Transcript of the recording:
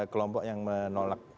kelompok yang menolak